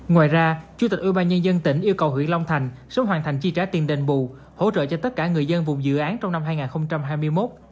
ngoài ra chủ tịch ubnd tỉnh yêu cầu huyện long thành sớm hoàn thành chi trả tiền đền bù hỗ trợ cho tất cả người dân vùng dự án trong năm hai nghìn hai mươi một